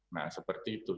nah seperti itu